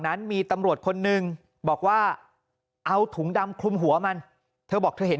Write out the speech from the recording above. นั้นมีตำรวจคนนึงบอกว่าเอาถุงดำคลุมหัวมันเธอบอกเธอเห็น